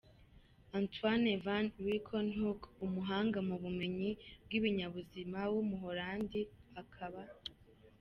Antonie van Leeuwenhoek, umuhanga mu bumenyi bw’ibinyabuzima w’umuholandi, akaba.